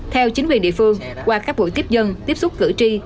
theo chính quyền địa phương qua các buổi tiếp dân tiếp xúc cử tri